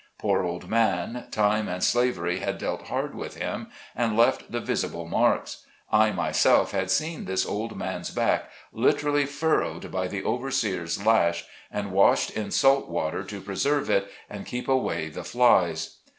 Poor old man, time and slavery had dealt hard with him, and left the visible marks. I, myself, had seen this old man's back literally fur rowed by the overseer's lash, and washed in salt water to preserve it, and keep away the flies.